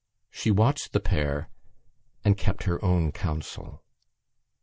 She watched the pair and kept her own counsel.